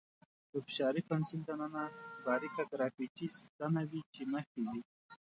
د فشاري پنسل دننه باریکه ګرافیتي ستنه وي چې مخکې ځي.